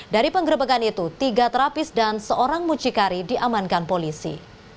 dari penggerebekan itu tiga terapis dan seorang mucikari diamankan polisi